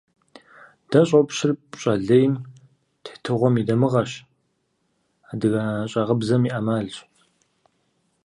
Дэ щӀопщыр пщӀэ лейм, тетыгъуэм и дамыгъэщ, адыгэ щӀагъыбзэм и Ӏэмалщ.